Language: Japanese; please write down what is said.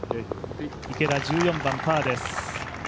池田、１４番パーです。